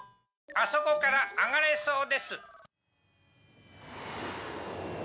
あそこから上がれそうです。